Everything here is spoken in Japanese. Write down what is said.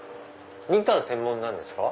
みかん専門なんですか？